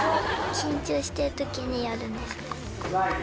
緊張してるときにやるんです。